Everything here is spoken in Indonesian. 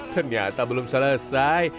ternyata belum selesai